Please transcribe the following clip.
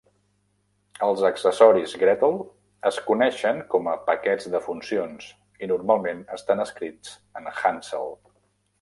Els accessoris gretl es coneixen com a paquets de funcions i normalment estan escrits en hansl.